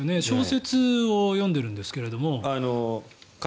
小説を読んでるんですけれども。